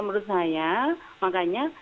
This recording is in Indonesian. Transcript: menurut saya makanya